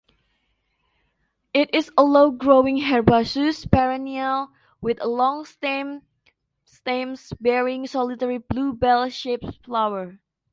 It is a low-growing herbaceous perennial, with long stems bearing solitary blue bell-shaped flowers.